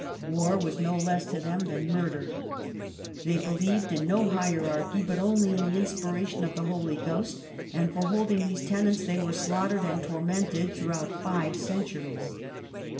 War was no less to them than murder. They believed in no hierarchy, but only in the inspiration of the Holy Ghost. And for holding these tenets they were slaughtered and tormented throughout five centuries.